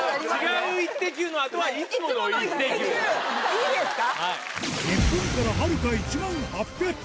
いいですか？